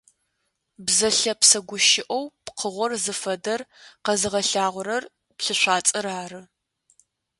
Бзэ лъэпсэ гущыӀэу пкъыгъор зыфэдэр къэзыгъэлъагъорэр плъышъуацӀэр ары.